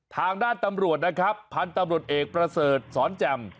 ทางด้านตำรวจนะครับพันธุ์ตำรวจเอกประเสริฐสอนแจ่ม